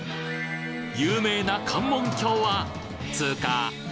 有名な関門橋は通過